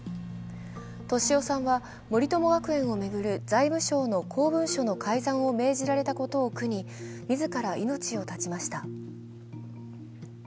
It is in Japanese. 俊夫さんは森友学園を巡る財務省の公文書の改ざんを命じられたことを苦に、自ら命を絶ちました。